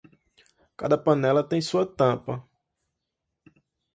Cada panela tem sua tampa.